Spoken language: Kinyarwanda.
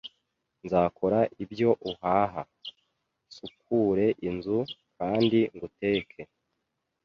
Nzakora ibyo uhaha, nsukure inzu, kandi nguteke.